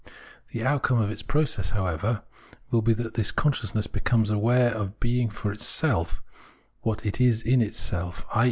The outcome of its process, however, will be that this consciousness becomes aware of being for itself what it is in itself [i.